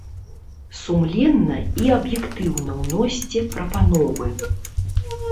Сумленна і аб'ектыўна ўносьце прапановы.